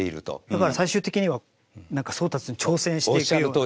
だから最終的にはなんか宗達に挑戦していくような。